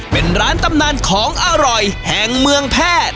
เป็นร้านตำนานของอร่อยแห่งเมืองแพทย์